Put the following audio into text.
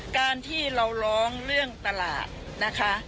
การที่เราร้องเรื่องตลาดนะคะ